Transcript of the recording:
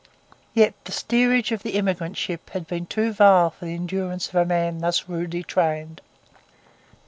Yet the steerage of the emigrant ship had been too vile for the endurance of a man thus rudely trained.